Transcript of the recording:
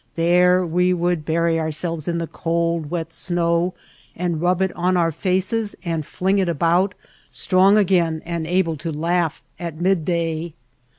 There we would bury ourselves in the cold, wet snow, and rub it on our faces and fling it about, strong again and able to laugh at midday.